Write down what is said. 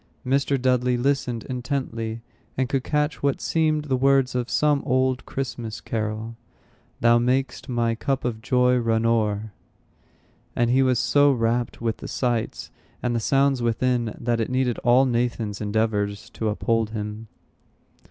Mr. Dudley listened intently, and could catch what seemed the words of some old Christmas carol: "Thou mak'st my cup of joy run o'er." And he was so rapt with the sights and the sounds within, that it needed all Nathan's endeavors to uphold him.